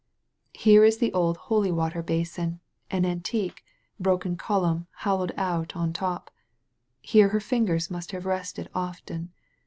''Here is the old holy water basin, an antique, broken column hollowed out on top. Here her fingers must have rested often.